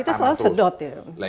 kita selalu sedot ya